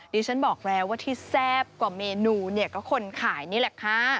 ดิฉันบอกแล้วว่าที่แซ่บกว่าเมนูเนี่ยก็คนขายนี่แหละค่ะ